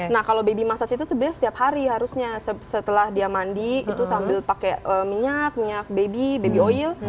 nah kalau baby massage itu sebenarnya setiap hari harusnya setelah dia mandi itu sambil pakai minyak minyak baby baby oil